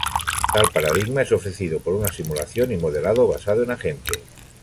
Tal paradigma es ofrecido por una simulación y modelado basado en agente.